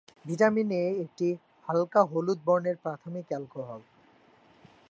Vitamin A একটি হালকা হলুদ বর্ণের প্রাথমিক অ্যালকোহল।